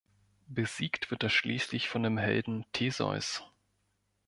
Besiegt wird er schließlich von dem Helden Theseus.